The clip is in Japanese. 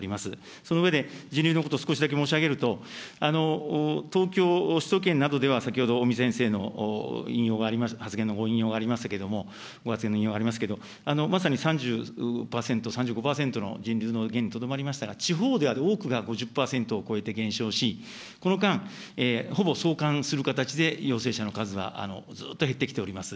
その上で、人流のこと、少しだけ申し上げると、東京、首都圏などでは、先ほど尾身先生の引用が、発言のご引用がありましたけれども、ご発言の引用がありましたけれども、まさに３５％の人流の減にとどまりましたが、地方では多くが５０％を超えて減少し、この間、ほぼ相関する形で陽性者の数はずっと減ってきております。